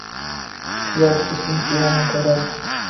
Ifloslikni juda yomon ko‘radi.